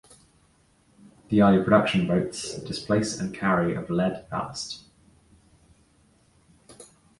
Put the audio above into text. The early production boats displace and carry of lead ballast.